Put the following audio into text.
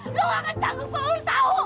lo gak akan sanggup mau lo tau